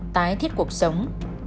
tái thiết cuộc sống